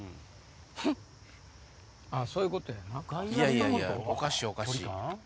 いやいやおかしいおかしい。